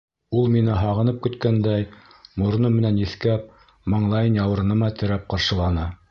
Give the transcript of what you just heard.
Ул мине һағынып көткәндәй, мороно менән еҫкәп, маңлайын яурыныма терәп ҡаршыланы.